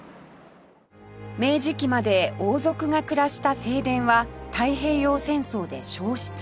明治期まで王族が暮らした正殿は太平洋戦争で焼失